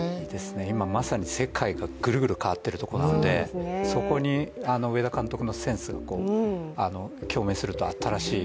今、まさに世界がぐるぐる変わってるところなので、そこに上田監督のセンスが共鳴すると新しい